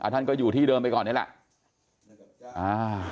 ท่านก็อยู่ที่เดิมไปก่อนนี่แหละ